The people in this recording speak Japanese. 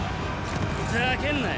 ざけんなよ！